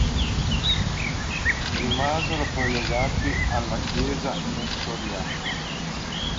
Rimasero poi legati alla chiesa Nestoriana.